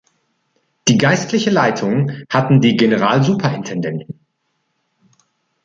Die geistliche Leitung hatten die Generalsuperintendenten.